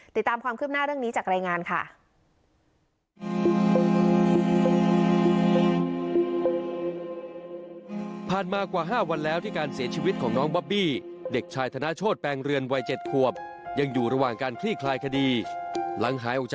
ติดตามความคืบหน้าเรื่องนี้จากรายงานค่ะ